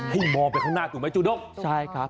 ให้มองไปข้างหน้าถูกไหมจูด้งใช่ครับ